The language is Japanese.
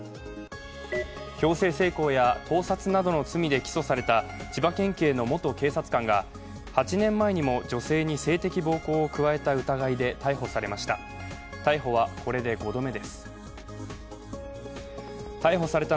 強制性交や盗撮などの罪で起訴された千葉県警の元警察官が８年前にも女性に性的暴行を加えた疑いで逮捕されました。